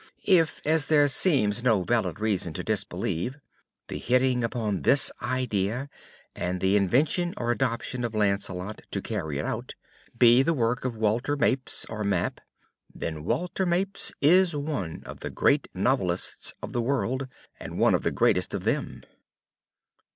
If, as there seems no valid reason to disbelieve, the hitting upon this idea, and the invention or adoption of Lancelot to carry it out, be the work of Walter Mapes (or Map), then Walter Mapes is one of the great novelists of the world, and one of the greatest of them.